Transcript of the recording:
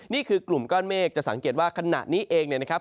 นี่คือกลุ่มก้อนเมฆจะสังเกตว่าขณะนี้เองเนี่ยนะครับ